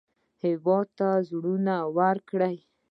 هېواد ته زړونه ورکړئ